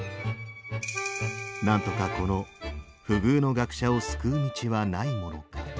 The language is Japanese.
「何んとか此の不遇の学者を救う途はないものか」。